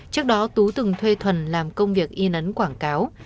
trước đó tú từng thuê thuần làm công việc y nấn quảng cáo